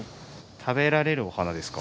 食べられるお花ですか？